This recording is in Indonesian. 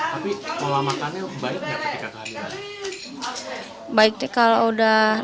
tapi kalau makannya baik nggak ketika kehadiran